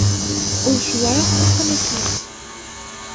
Ул шулай уҡ ҡурҡынысмы ни?